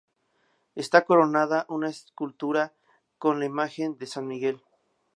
Está coronada una escultura con la imagen de San Miguel.